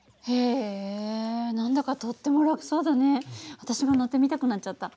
私も乗ってみたくなっちゃった。